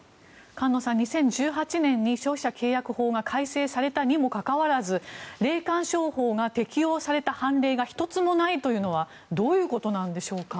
菅野さん、２０１８年に消費者契約法が改正されたにもかかわらず霊感商法が適用された判例が１つもないというのはどういうことなんでしょうか。